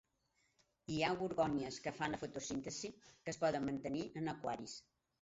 Hi ha gorgònies que fan la fotosíntesi, que es poden mantenir en aquaris.